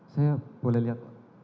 saya boleh lihat